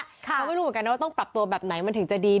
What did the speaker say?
เราไม่รู้เหมือนกันนะว่าต้องปรับตัวแบบไหนมันถึงจะดี